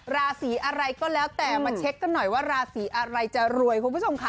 ราศีอะไรก็แล้วแต่มาเช็คกันหน่อยว่าราศีอะไรจะรวยคุณผู้ชมค่ะ